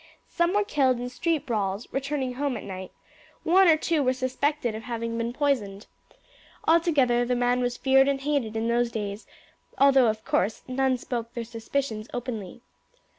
Some were killed in street brawls, returning home at night, one or two were suspected of having been poisoned. Altogether the man was feared and hated in those days, although, of course, none spoke their suspicions openly.